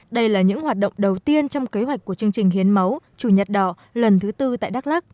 đây là những hoạt động đầu tiên trong kế hoạch của chương trình hiến máu chủ nhật đỏ lần thứ tư tại đắk lắc